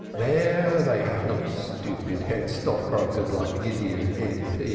Dere dey haf not stupid head stockbrokers like Gideon, M.